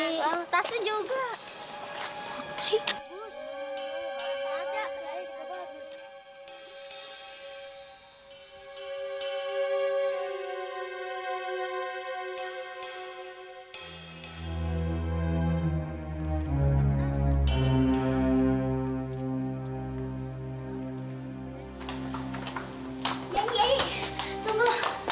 yai yai tunggu